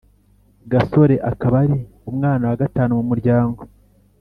Gasore akaba ari umwana wa gatanu mu muryango